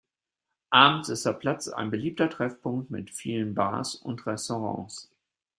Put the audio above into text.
Abends ist der Platz ein beliebter Treffpunkt mit vielen Bars und Restaurants.